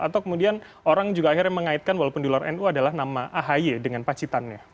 atau kemudian orang juga akhirnya mengaitkan walaupun di luar nu adalah nama ahy dengan pacitannya